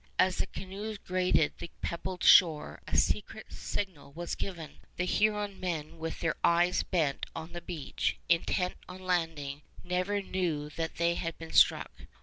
As the canoes grated the pebbled shore a secret signal was given. The Huron men with their eyes bent on the beach, intent on landing, never knew that they had been struck.